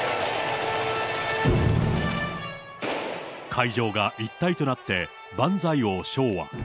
会場が一体となって、万歳を唱和。